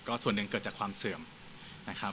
ส่วนหนึ่งเกิดจากความเสื่อมนะครับ